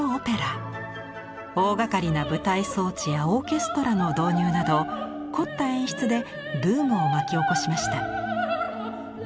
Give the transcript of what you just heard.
大がかりな舞台装置やオーケストラの導入など凝った演出でブームを巻き起こしました。